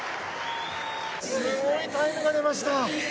すごいタイムが出ました